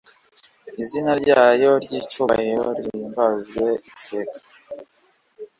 Izina ryayo ry icyubahiro rihimbazwe iteka